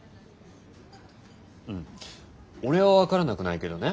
うん俺は分からなくないけどね